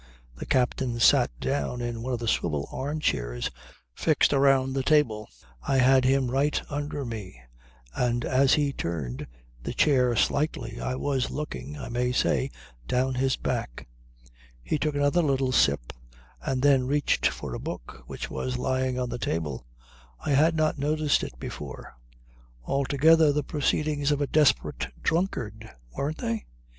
The captain sat down in one of the swivel arm chairs fixed around the table; I had him right under me and as he turned the chair slightly, I was looking, I may say, down his back. He took another little sip and then reached for a book which was lying on the table. I had not noticed it before. Altogether the proceedings of a desperate drunkard weren't they?